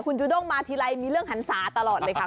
คุณจูด้งมาทีไรมีเรื่องหันศาตลอดเลยค่ะ